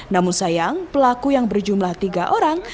namun sayang pelaku yang berjumlah tiga orang